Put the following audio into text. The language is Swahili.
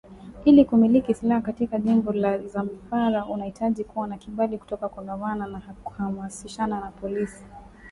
Ili kumiliki silaha katika jimbo la Zamfara unahitaji kuwa na kibali kutoka kwa gavana na kamishana wa polisi